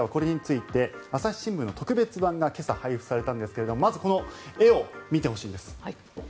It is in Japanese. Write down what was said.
東京と大阪ではこれについて朝日新聞の特別版が今朝配布されたんですがまずこの絵を見てほしいんです。